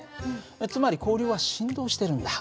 つまり交流は振動してるんだ。